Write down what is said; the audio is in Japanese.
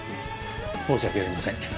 申し訳ありません。